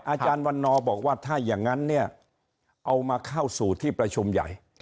อาจารย์วันนอบอกว่าถ้าอย่างนั้นเนี่ยเอามาเข้าสู่ที่ประชุมใหญ่